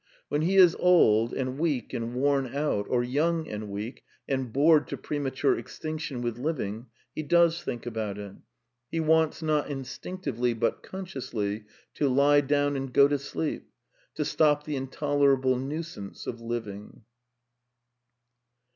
When he is old and weak and worn out, or young and weak, and bored to prema ture extinction with living, he does think about it. He wants, not instinctively, but consciously, to lie down and go to sleep, to stop the intolerable nuisance of living.